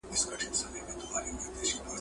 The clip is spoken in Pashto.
په پردي کور کي نه وي منلي ,